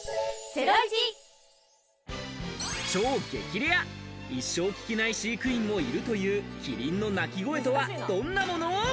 超激レア、一生聞けない飼育員もいるというキリンの鳴き声とはどんなもの？